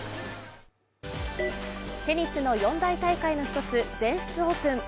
テニスの四大大会の１つ、全仏オープン。